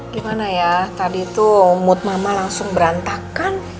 gimana ya tadi tuh mood mama langsung berantakan